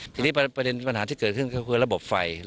ทีนี้ประเด็นปัญหาที่เกิดขึ้นก็คือระบบไฟ